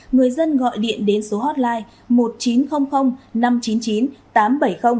người dân gọi điện đến số hotline một nghìn chín trăm linh năm trăm chín mươi chín tám trăm bảy mươi